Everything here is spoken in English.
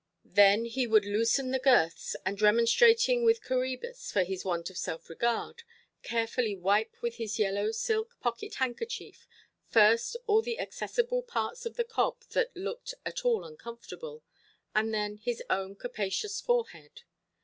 Then he would loosen the girths, and, remonstrating with Coræbus for his want of self–regard, carefully wipe with his yellow silk pocket–handkerchief first all the accessible parts of the cob that looked at all uncomfortable, and then his own capacious forehead.